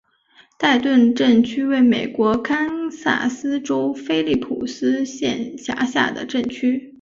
代顿镇区为美国堪萨斯州菲利普斯县辖下的镇区。